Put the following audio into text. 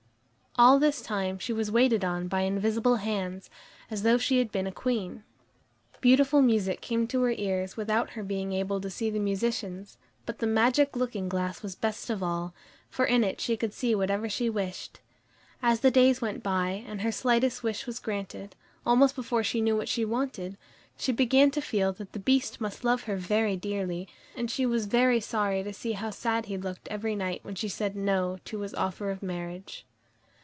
All this time she was waited on by invisible hands, as though she had been a queen. Beautiful music came to her ears without her being able to see the musicians, but the magic looking glass was best of all, for in it she could see whatever she wished. As the days went by, and her slightest wish was granted, almost before she knew what she wanted, she began to feel that the Beast must love her very dearly, and she was very sorry to see how sad he looked every night when she said "No" to his offer of marriage.